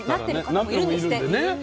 なってる方もいるんですって。